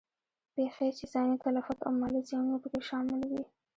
پېښې چې ځاني تلفات او مالي زیانونه په کې شامل وي.